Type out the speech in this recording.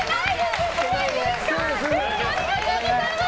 ありがとうございます。